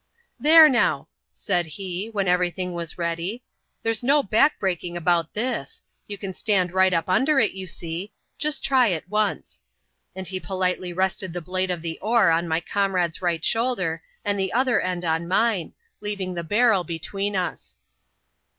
"There now!" said he, when every thing was ready, there's no back breaking about this ; you can stand right up mider it, you see : jist try it once ;" and he politely rested the blade of the oar on my comrade's right shoulder, and the other end on mine, leaving the barrel between us.